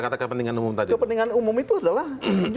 kata kata kepentingan umum itu adalah